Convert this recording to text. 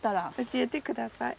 教えて下さい。